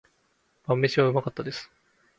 晩御飯は美味しかったです。